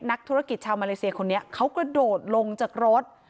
นักธุรกิจชาวมาเลเซียคนนี้เขากระโดดลงจากรถ